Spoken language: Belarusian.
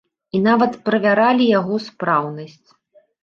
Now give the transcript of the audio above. І нават правяралі яго спраўнасць.